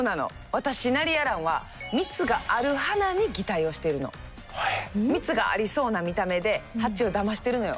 私ナリヤランは蜜がありそうな見た目でハチをだましてるのよ。